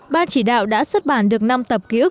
ban chỉ đạo đã xuất bản được năm tập ký ức